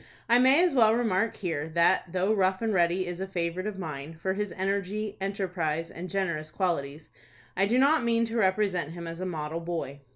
I may as well remark here, that, though Rough and Ready is a favorite of mine, for his energy, enterprise, and generous qualities, I do not mean to represent him as a model boy.